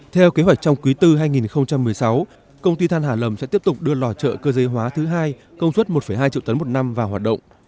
theo kế hoạch trong quý bốn hai nghìn một mươi sáu công ty than hà lầm sẽ tiếp tục đưa lò chợ cơ giới hóa thứ hai công suất một hai triệu tấn một năm vào hoạt động